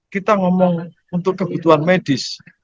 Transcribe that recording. kita ngomong untuk kebutuhan medis